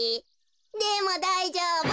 でもだいじょうぶ。